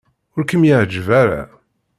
Ur kem-iɛejjeb ara.